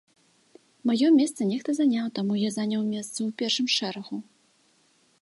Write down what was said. Маё месца нехта заняў, таму я заняў месца ў першым шэрагу.